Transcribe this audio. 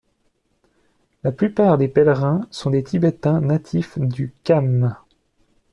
La plupart des pèlerins sont des Tibétains natifs du Kham.